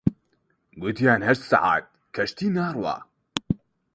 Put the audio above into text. گوتیان هەشت سەعات کەشتی ناڕوا